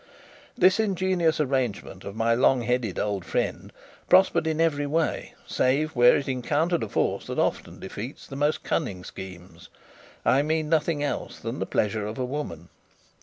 This ingenious arrangement of my long headed old friend prospered in every way, save where it encountered a force that often defeats the most cunning schemes. I mean nothing else than the pleasure of a woman.